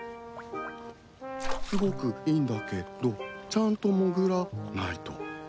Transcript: すごくいいんだけどちゃんと潜らないと。